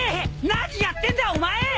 何やってんだお前！